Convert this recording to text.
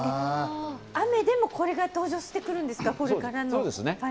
雨でもこれが登場してくるんですか。